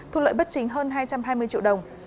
thu lợi bất chính hơn hai trăm hai mươi triệu đồng